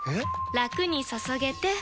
ラクに注げてペコ！